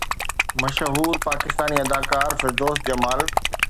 مشهور پاڪستاني اداڪار فردوس جمال